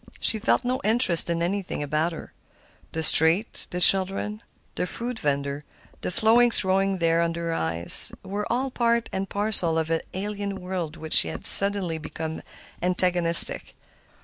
She felt no interest in anything about her. The street, the children, the fruit vender, the flowers growing there under her eyes, were all part and parcel of an alien world which had suddenly become antagonistic.